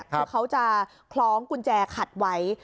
คือเขาจะคล้องกุญแจขัดไว้